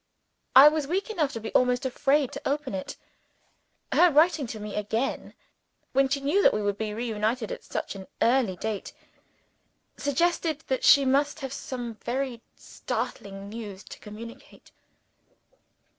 I was weak enough to be almost afraid to open it. Her writing to me again, when she knew that we should be re united at such an early date, suggested that she must have some very startling news to communicate.